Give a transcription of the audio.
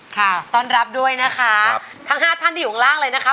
ค่ะต้อนรับด้วยนะคะทั้งห้าท่านที่อยู่ข้างล่างเลยนะคะ